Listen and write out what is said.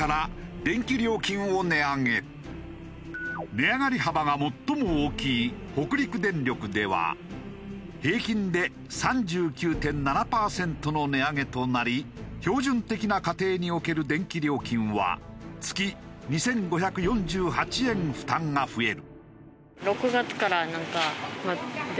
値上がり幅が最も大きい北陸電力では平均で３９．７パーセントの値上げとなり標準的な家庭における電気料金は月２５４８円負担が増える。